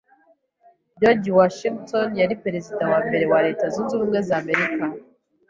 George Washington yari Perezida wa mbere wa Leta zunze ubumwe za Amerika.